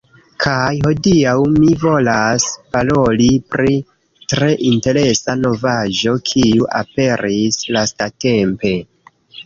Kaj hodiaŭ, mi volas paroli pri tre interesa novaĵo kiu aperis lastatempe